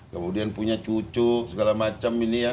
kemudian punya cucu segala macam ini ya